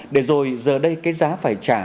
để rồi giờ đây cái giá phải trả